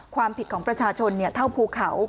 ความผิดของประชาชนเท่าภูเขา